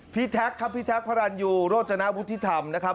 พี่แท็กครับพี่แท็กพระรันยูโรจนาวุฒิที่ทำ